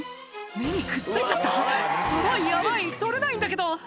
目にくっついちゃった」「ヤバいヤバい取れないんだけど」